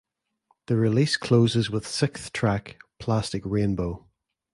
The release closes with sixth track "Plastic Rainbow".